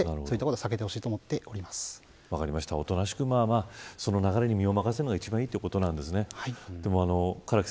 そういったことはおとなしく流れに身を任せるのが一番いいということなんですね。